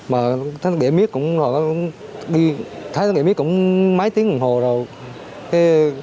mà thái đại miết cũng đi thái đại miết cũng mấy tiếng đồng hồ rồi